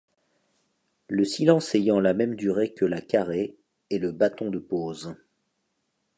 Le silence ayant la même durée que la carrée est le bâton de pause.